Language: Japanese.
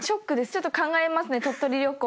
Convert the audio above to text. ちょっと考えますね鳥取旅行。